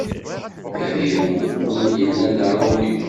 Ad iru win yellan d aṛumi.